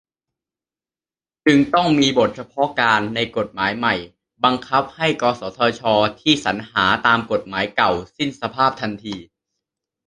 จึงต้องมีบทเฉพาะการ ในกฏหมายใหม่บังคับให้ กสทช ที่สรรหาตามกฎหมายเก่าสิ้นสภาพทันที